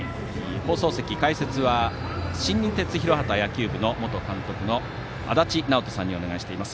放送席、解説は新日鉄広畑野球部の元監督の足達尚人さんにお願いしています。